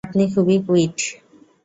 আপনি খুব কুইট!